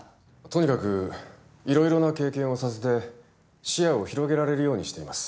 とにかく色々な経験をさせて視野を広げられるようにしています。